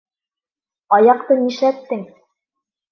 — Аяҡты нишләттең?